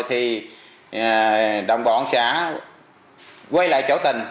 thì đồng bọn sẽ quay lại chỗ tình